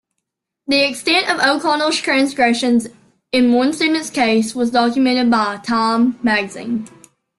The extent of O'Connell's transgressions in one student's case was documented by "Time" magazine.